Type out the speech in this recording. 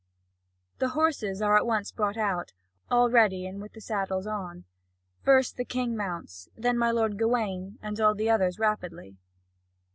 (Vv. 247 398.) The horses are at once brought out, all ready and with the saddles on. First the King mounts, then my lord Gawain, and all the others rapidly.